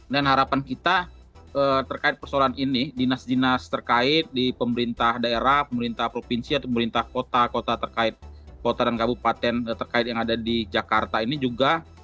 dan harapan kita terkait persoalan ini dinas dinas terkait di pemerintah daerah pemerintah provinsi atau pemerintah kota kota terkait kota dan kabupaten terkait yang ada di jakarta ini juga